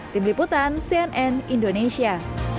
tim liputan cnn indonesia